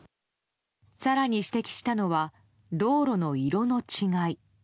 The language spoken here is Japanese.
更に指摘したのは道路の色の違い。